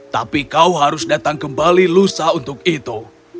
tapi kau harus datang kembali lusa untuk itu